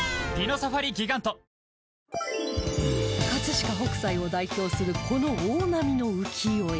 飾北斎を代表するこの大波の浮世絵